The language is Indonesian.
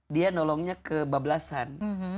dia menolongnya ke bablasan